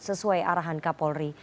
sesuai arahan kapolri